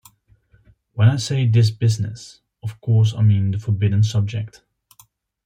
When I say 'this business', of course I mean the — forbidden subject.